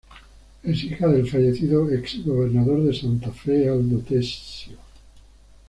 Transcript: Es hija del fallecido ex Gobernador de Santa Fe Aldo Tessio.